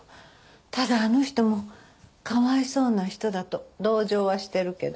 ただあの人もかわいそうな人だと同情はしてるけど。